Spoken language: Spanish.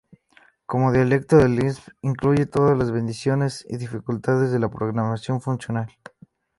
Como dialecto de Lisp, incluye todas las bendiciones y dificultades de la programación funcional.